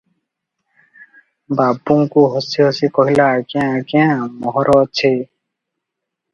ବାବୁଙ୍କୁ ହସି ହସି କହିଲା, ଆଜ୍ଞା! ଆଜ୍ଞା! ମୋହର ଅଛି ।"